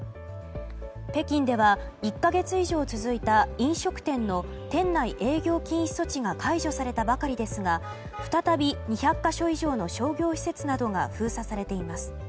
北京では１か月以上続いた飲食店の店内営業禁止措置が解除されたばかりですが再び２００か所以上の商業施設などが封鎖されています。